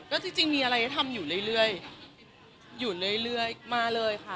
ก็จริงจริงมีอะไรให้ทำอยู่เรื่อยเรื่อยอยู่เรื่อยเรื่อยมาเลยค่ะ